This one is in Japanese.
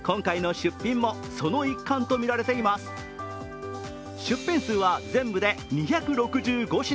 出品数は全部で２６５品。